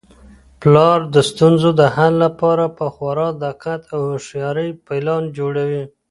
پلار د ستونزو د حل لپاره په خورا دقت او هوښیارۍ پلان جوړوي.